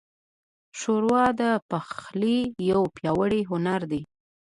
ښوروا د پخلي یو پیاوړی هنر دی.